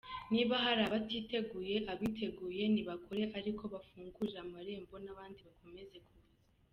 Niba hari abatiteguye, abiteguye nibakore ariko bafungurire amarembo n’abandi bakomeze kuza.